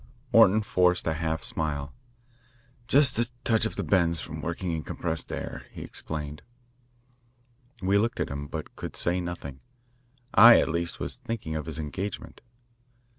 Orton forced a half smile. "Just a touch of the 'bends' from working in compressed air," he explained. We looked at him, but could say nothing. I, at least, was thinking of his engagement.